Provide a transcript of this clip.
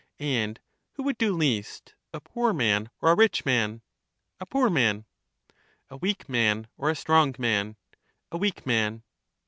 And who would do least — a poor man or a rich man? A poor man. A weak man or a strong man? A weak man.